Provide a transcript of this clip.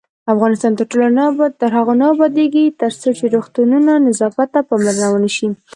افغانستان تر هغو نه ابادیږي، ترڅو د روغتونونو نظافت ته پاملرنه ونشي.